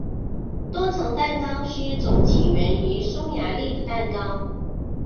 多层蛋糕是一种起源于匈牙利的蛋糕。